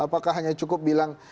apakah hanya cukup bilang